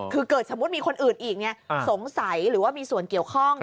คือเกิดสมมุติมีคนอื่นอีกสงสัยหรือว่ามีส่วนเกี่ยวข้อง